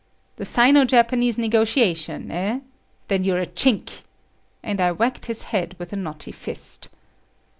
"The Sino Japanese negotiation, eh? Then you're a Chink," and I whacked his head with a knotty fist.